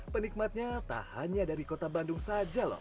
penikmatnya tak hanya dari kota bandung saja loh